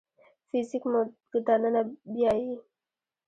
فزیک موږ دننه بیايي.